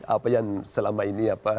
apa yang selama ini